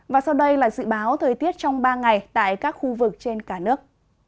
và sau đây là dự báo thời tiết trong ba ngày tại các khu vực trên cả nước